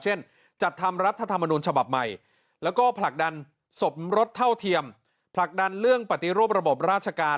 จัดทำรัฐธรรมนุนฉบับใหม่แล้วก็ผลักดันสมรสเท่าเทียมผลักดันเรื่องปฏิรูประบบราชการ